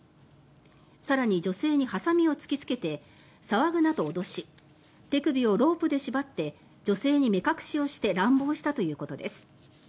更に、女性にハサミを突きつけて騒ぐなど脅し手首をロープで縛って女性に目隠しをして乱暴したということです。